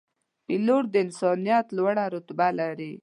پیلوټ د انسانیت لوړه رتبه لري.